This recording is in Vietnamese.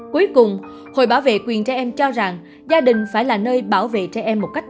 cuối cùng hội bảo vệ quyền trẻ em cho rằng gia đình phải là nơi bảo vệ trẻ em một cách